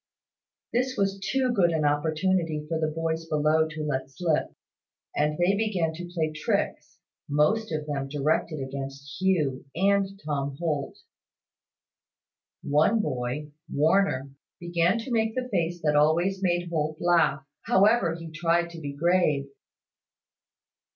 This was too good an opportunity for the boys below to let slip; and they began to play tricks, most of them directed against Hugh and Tom Holt. One boy, Warner, began to make the face that always made Holt laugh, however he tried to be grave.